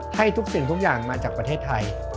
ให้ทุกสิ่งทุกอย่างมาจากประเทศไทย